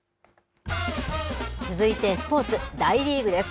続いてスポーツ、大リーグです。